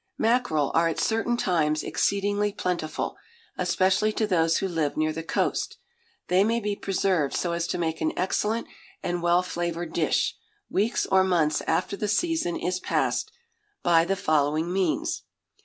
Mackerel are at certain times exceedingly plentiful, especially to those who live near the coast. They may be preserved so as to make an excellent and well flavoured dish, weeks or months after the season is past, by the following means.